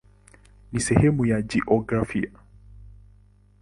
Ni sehemu ya jiografia.